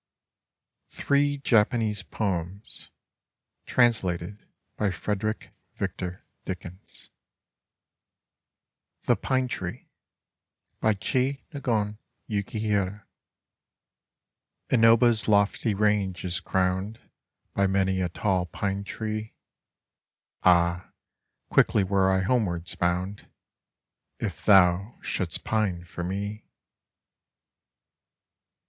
THREE JAPANESE POEMS TRANSLATED BY FREDERICK VICTOR DICKINS THE PINE TREE By Chiu nagon Yuki hira Inoba's lofty range is crowned By many a tall pine tree; Ah, quickly were I homewards bomid If thou shouldst pine for me